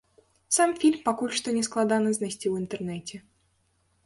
Сам фільм пакуль што не складана знайсці ў інтэрнэце.